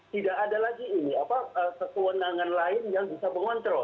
tidak ada lagi ini kekewenangan lain yang bisa mengontrol